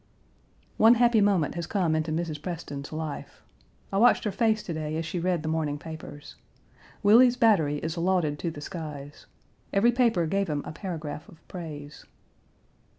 One happy moment has come into Mrs. Preston's life. I watched her face to day as she read the morning papers. Willie's battery is lauded to the skies. Every paper gave him a paragraph of praise.